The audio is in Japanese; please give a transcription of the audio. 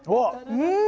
うん！